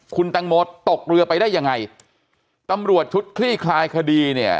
คุณแตงโมตกเรือไปได้ยังไงตำรวจชุดคลี่คลายคดีเนี่ย